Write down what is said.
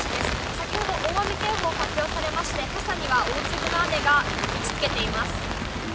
先ほど大雨警報が発表されまして、傘には大粒の雨が打ちつけています。